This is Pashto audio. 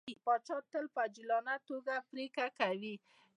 پاچا تل په عجولانه ټوګه پرېکړه کوي.